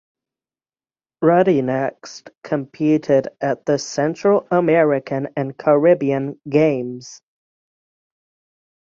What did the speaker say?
Rutty next competed at the Central American and Caribbean Games.